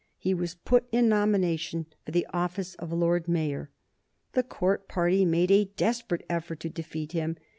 He was put in nomination for the office of Lord Mayor. The Court party made a desperate effort to defeat him.